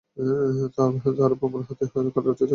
তারও প্রমাণ হাতে হাতে, কাল রাত থেকে স্পষ্টই সর্দির লক্ষণ।